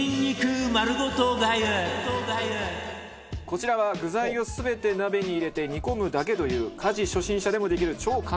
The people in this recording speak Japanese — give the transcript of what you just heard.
こちらは具材を全て鍋に入れて煮込むだけという家事初心者でもできる超簡単レシピです。